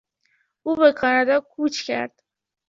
او به کانادا کوچ کرد.